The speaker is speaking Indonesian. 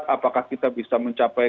apakah kita bisa mencapai